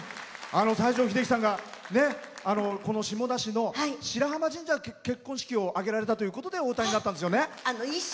西城秀樹さんがこの下田市の白浜神社で結婚式を挙げられたときにお歌いになったんですよね。